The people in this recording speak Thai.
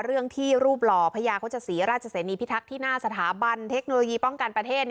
เรื่องที่รูปหล่อพญาโฆษศรีราชเสนีพิทักษ์ที่หน้าสถาบันเทคโนโลยีป้องกันประเทศ